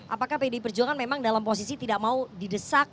apakah pdi perjuangan memang dalam posisi tidak mau didesak